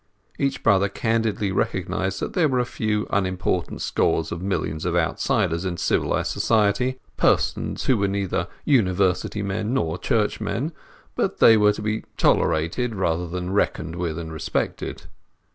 Each brother candidly recognized that there were a few unimportant score of millions of outsiders in civilized society, persons who were neither University men nor churchmen; but they were to be tolerated rather than reckoned with and respected.